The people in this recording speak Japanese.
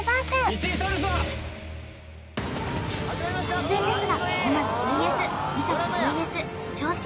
突然ですが沼津ＶＳ三崎ＶＳ銚子